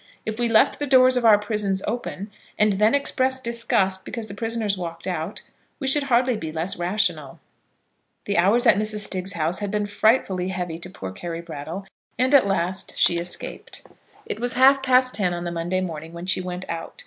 If we left the doors of our prisons open, and then expressed disgust because the prisoners walked out, we should hardly be less rational. The hours at Mrs. Stiggs's house had been frightfully heavy to poor Carry Brattle, and at last she escaped. It was half past ten on the Monday morning when she went out.